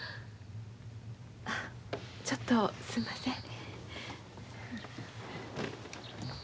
ちょっとすんません。